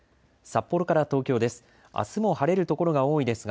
札幌から東京です。